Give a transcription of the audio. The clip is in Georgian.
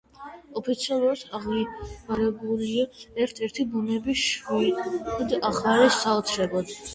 ოფიციალურად აღიარებულია ერთ-ერთ ბუნების შვიდ ახალ საოცრებად.